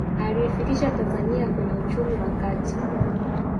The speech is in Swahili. aliifikisha tanzania kwenye uchumi wa kati